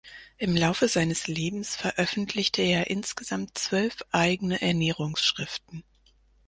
Im Laufe seines Lebens veröffentlichte er insgesamt zwölf eigene Ernährungs-Schriften.